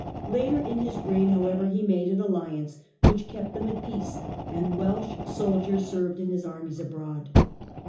Later in hi$; reign, however, he made an alliance which kept them at peace, and Welsh soldiers served in his armies abroad.